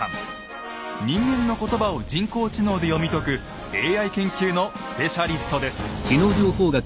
人間の言葉を人工知能で読み解くＡＩ研究のスペシャリストです。